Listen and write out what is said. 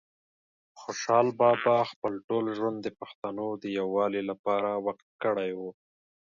خوشحال بابا خپل ټول ژوند د پښتنو د یووالي لپاره وقف کړی وه